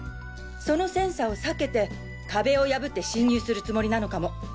そのセンサーを避けて壁を破って侵入するつもりなのかも！